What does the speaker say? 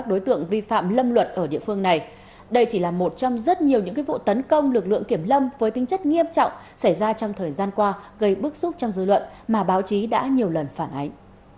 đây chỉ là một trong rất nhiều những vụ tấn công lực lượng kiểm lâm với tính chất nghiêm trọng xảy ra trong thời gian qua gây bức xúc trong dư luận mà báo chí đã nhiều lần phản ánh